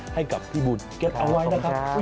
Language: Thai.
ให้กับพี่บุญเก็ตอร่อยนะครับ